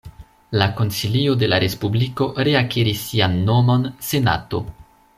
La Konsilio de la Respubliko reakiris sian nomon Senato.